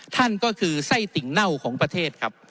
นั่นก็คือไส้ติ่งเน่าของประเทศครับ